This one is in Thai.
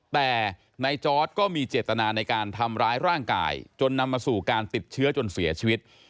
แต่นายจอร์ดก็มีเจตนาในการทำร้ายร่างกายจนนำมาสู่การติดเชื้อจนเสียชีวิต